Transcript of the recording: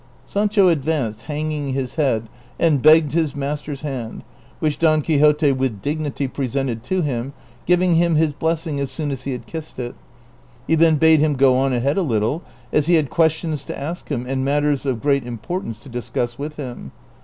Sancho advanced hanging his head and begged his master's hand, which Don Quixote with dignity presented to him, giving him his blessing as soon as he had kissed it ; he then bade him go on ahead a little, as he had questions to ask him and mat ters of great importance to discuss with him.